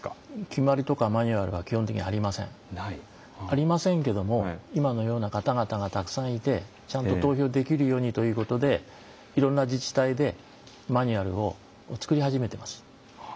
決まりとかマニュアルは基本的にありませんけども今のような方々がたくさんいてちゃんと投票できるようにということでいろんな自治体でマニュアルを作り始めています。